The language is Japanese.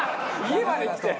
家まで来て？